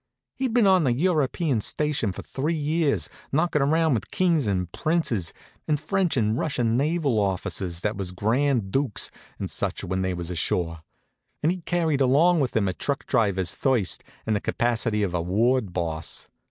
He'd been on the European station for three years, knockin' around with kings and princes, and French and Russian naval officers that was grand dukes and such when they was ashore; and he'd carried along with him a truck driver's thirst and the capacity of a ward boss.